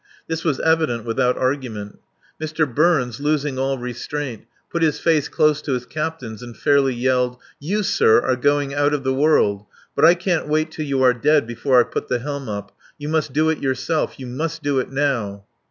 This was evident without argument. Mr. Burns, losing all restraint, put his face close to his captain's and fairly yelled: "You, sir, are going out of the world. But I can't wait till you are dead before I put the helm up. You must do it yourself. You must do it now!"